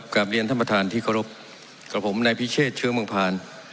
กลับเรียนท่านประธานที่เคารพกับผมในพิเชษเชื้อเมืองพาน